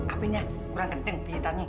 apa ini kurang ketinggian pihit tani